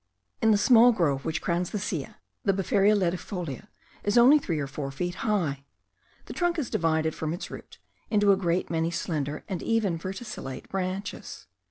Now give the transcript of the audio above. In the small grove which crowns the Silla, the Befaria ledifolia is only three or four feet high. The trunk is divided from its root into a great many slender and even verticillate branches.